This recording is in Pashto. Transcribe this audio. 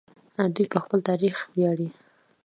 دوی په خپل تاریخ ویاړي.